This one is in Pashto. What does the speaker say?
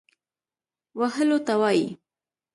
وهلو ته وايي.